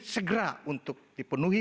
segera untuk dipenuhi